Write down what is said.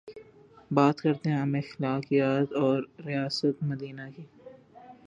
بات کرتے ہیں ہم اخلاقیات کی اورریاست مدینہ کی